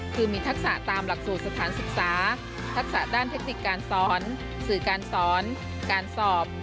คือมีทักษะตามหลักสูตรสถานศึกษาทักษะด้านเทคนิคการสอนสื่อการสอนการสอบ